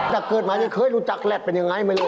จากเกิดมาเคยรู้จักแรดเป็นอย่างไรไหมเลย